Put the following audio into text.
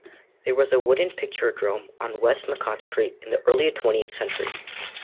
There was a wooden picturedrome on Westmacott Street in the early twentieth century.